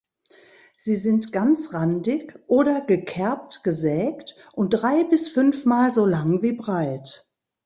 Sie sind ganzrandig oder gekerbt-gesägt und drei- bis fünfmal so lang wie breit.